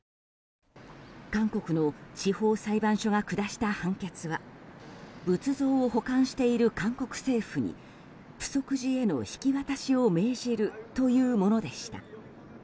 韓国の地方裁判所が下した判決は仏像を保管している韓国政府に浮石寺への引き渡しを命じるというものでした。